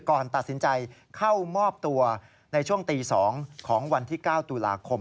ก่อนตัดสินใจเข้ามอบตัวในช่วงตี๒ของวันที่๙ตุลาคม